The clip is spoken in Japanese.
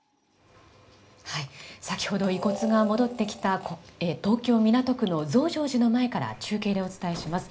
先ほど、遺骨が戻ってきた東京・港区の増上寺の前から中継でお伝えします。